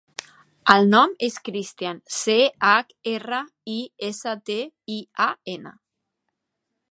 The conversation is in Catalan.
El nom és Christian: ce, hac, erra, i, essa, te, i, a, ena.